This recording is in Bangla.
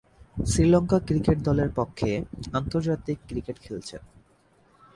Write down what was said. শ্রীলঙ্কা ক্রিকেট দলের পক্ষে আন্তর্জাতিক ক্রিকেট খেলছেন।